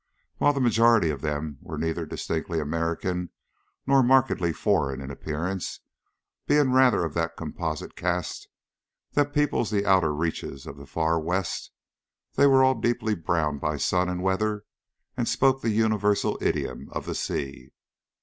While the majority of them were neither distinctly American nor markedly foreign in appearance, being rather of that composite caste that peoples the outer reaches of the far West, they were all deeply browned by sun and weather, and spoke the universal idiom of the sea.